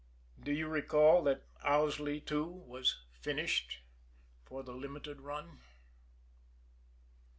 Do you recall that Owsley, too, was finished for the Limited run?